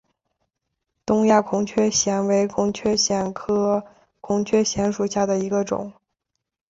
东亚孔雀藓为孔雀藓科孔雀藓属下的一个种。